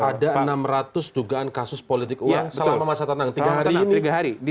ada enam ratus dugaan kasus politik uang selama masa tenang tiga hari